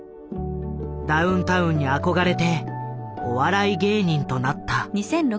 ダウンタウンに憧れてお笑い芸人となった。